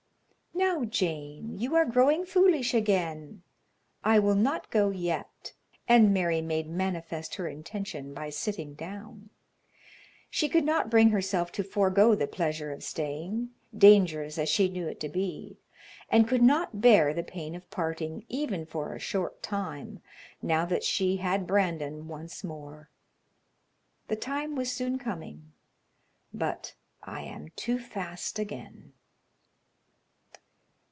"Now, Jane, you are growing foolish again; I will not go yet," and Mary made manifest her intention by sitting down. She could not bring herself to forego the pleasure of staying, dangerous as she knew it to be, and could not bear the pain of parting, even for a short time, now that she had Brandon once more. The time was soon coming but I am too fast again.